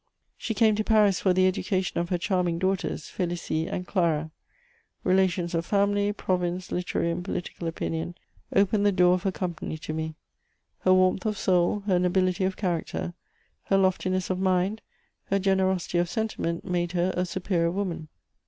She came to Paris for the education of her charming daughters, Félicie and Clara. Relations of family, province, literary and political opinion opened the door of her company to me. Her warmth of soul, her nobility of character, her loftiness of mind, her generosity of sentiment made her a superior woman.